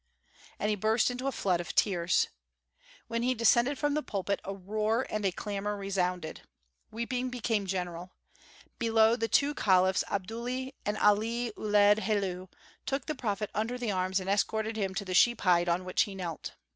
And he burst into a flood of tears. When he descended from the pulpit a roar and a clamor resounded. Weeping became general. Below, the two caliphs Abdullahi and Ali Uled Helu took the prophet under the arms and escorted him to the sheep hide on which he knelt.